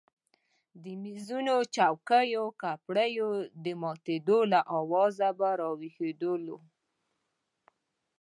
د مېزونو چوکیو او کپړیو د ماتېدو له آوازه به راویښېدلو.